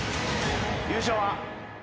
優勝は。